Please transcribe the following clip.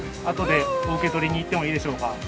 あとでお受け取りに行ってもいいでしょうか？